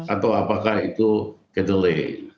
atau apakah itu kedelai